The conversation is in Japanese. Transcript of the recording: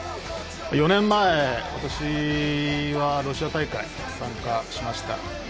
４年前、私はロシア大会に参加しました。